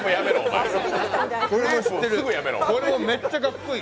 これはめっちゃかっこいい。